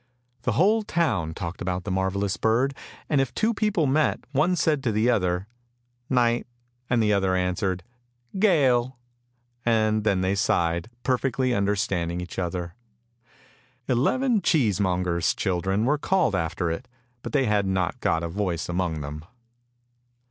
The whole town talked about the marvellous bird, and if two people met, one said to the other " Night," and the other answered " Gale," and then they sighed, perfectly understanding each other. Eleven cheesemongers' children were called after it, but they had not got a voice among them.